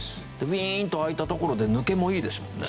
ウィーンと開いたところで抜けもいいですもんね。